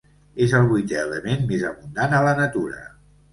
És el vuitè element més abundant a la natura.